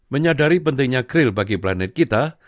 menyadari pentingnya grill bagi planet kita